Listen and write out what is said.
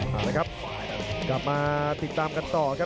เอาละครับกลับมาติดตามกันต่อครับ